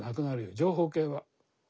情報系は。